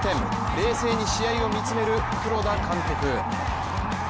冷静に試合を見つめる黒田監督。